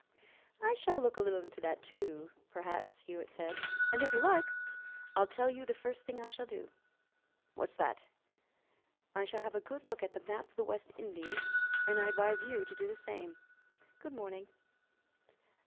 "I shall look a little into that, too, perhaps," Hewitt said, "and, if you like, I'll tell you the first thing I shall do." "What's that?" "I shall have a good look at a map of the West Indies, and I advise you to do the same. Good morning."